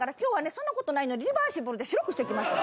そんな事ないようにリバーシブルで白くしてきました。